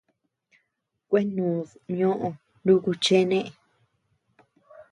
Kueanúd ñoʼö nuku cheene.